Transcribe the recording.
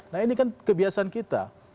nah ini kan kebiasaan kita